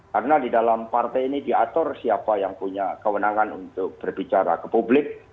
karena di dalam partai ini diatur siapa yang punya kewenangan untuk berbicara ke publik